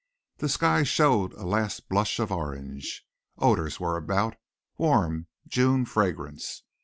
The sky showed a last blush of orange. Odours were about warm June fragrance.